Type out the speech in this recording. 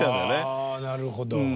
はあなるほど。